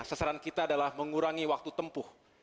sasaran kita adalah mengurangi waktu tempuh